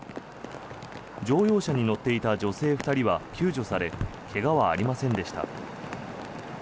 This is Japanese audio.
乗用車に乗っていた女性２人は救助され怪我はありませんでした。